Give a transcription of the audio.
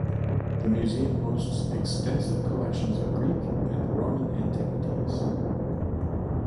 The museum hosts extensive collections of Greek and Roman antiquities.